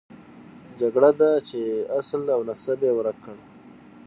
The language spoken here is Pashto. جګړه ده چې اصل او نسب یې ورک کړ.